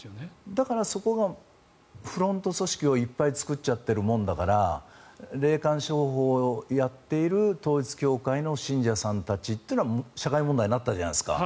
だからそこがフロント組織をいっぱい作っちゃっているものだから霊感商法をやっている統一教会の信者さんたちというのは社会問題になったじゃないですか。